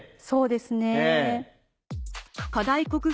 そうですね。